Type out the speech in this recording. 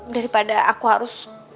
daripada aku harus